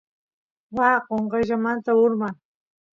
waa qonqayllamanta urman